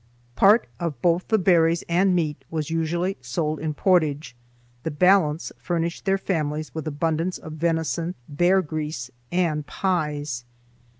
Part of both the berries and meat was usually sold in Portage; the balance furnished their families with abundance of venison, bear grease, and pies.